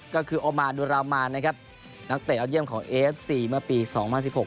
ก็คือนะครับนักเตะอดเยี่ยมของเมื่อปีสองพันสี่หก